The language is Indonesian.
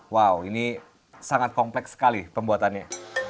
wow ini sangat kompleks sekali pembuatannya